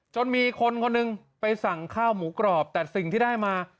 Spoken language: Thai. จนมีคนคนหนึ่งไปสั่งข้าวหมูกรอบแต่สิ่งที่ได้มา